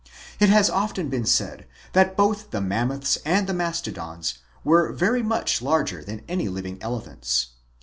It has often been said that both the Mammoths and the Mastodons were very much larger than any living elephants.